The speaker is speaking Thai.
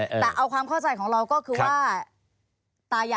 แต่เอาความเข้าใจของเราก็คือว่าตายาย